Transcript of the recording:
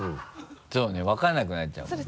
そうね分からなくなっちゃうもんね。